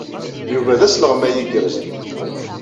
Yuba d asleɣmay igerrzen.